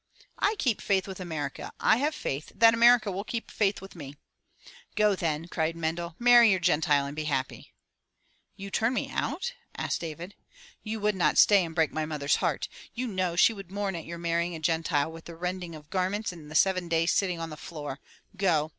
"I keep faith with America. I have faith that America will keep faith with me." " Go then," cried Mendel. " Marry your Gentile and be happy !" "You turn me out?" asked David. "You would not stay and break my mother's heart. You 202 FROM THE TOWER WINDOW know she would mourn at your marrying a Gentile with the rend ing of garments and the seven days' sitting on the floor. Go!